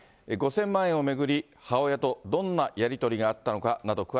５０００万円を巡り、母親とどんなやり取りがあったのかなど、詳